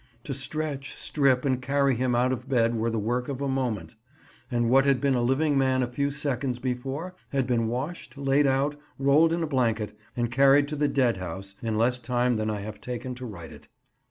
To stretch, strip, and carry him out of bed were the work of a moment; and what had been a living man a few seconds before had been washed, laid out, rolled in a blanket, and carried to the dead house in less time than I have taken to write it.